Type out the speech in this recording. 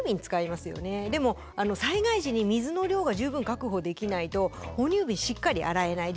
でも災害時に水の量が十分確保できないと哺乳瓶しっかり洗えない。